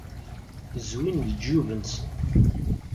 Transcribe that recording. Zwin leǧyub-nnsen.